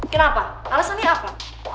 kenapa alasannya apa